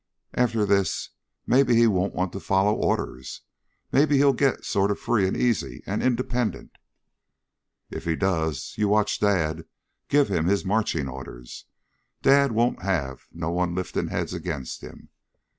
"After this maybe he won't want to follow orders. Maybe he'll get sort of free and easy and independent." "If he does, you watch Dad give him his marching orders. Dad won't have no one lifting heads agin' him."